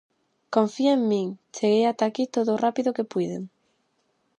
Confía en min! Cheguei ata aquí todo o rápido que puiden.